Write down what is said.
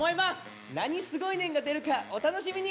何すごいねんが出るかお楽しみに！